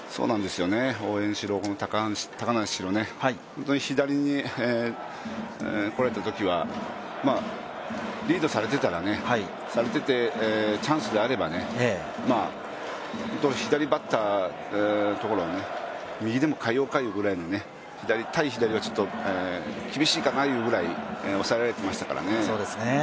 大江にしろこの高梨にしろ、本当に左に来られたときは、リードされててチャンスであれば左バッターのところは右でも代えようかというくらい、対左は厳しいかなぐらい抑えられてましたのでね。